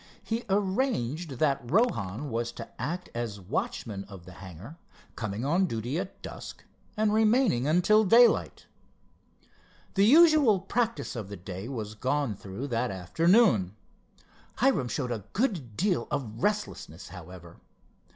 He arranged that Rohan was to act as watchman of the hangar, coming on duty at dusk, and remaining until daylight. The usual practice of the day was gone through that afternoon. Hiram showed a good deal of restlessness, however.